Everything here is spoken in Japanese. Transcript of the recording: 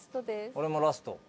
俺もラスト。